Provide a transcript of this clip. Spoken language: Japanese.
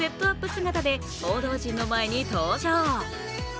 姿で報道陣の前に登場。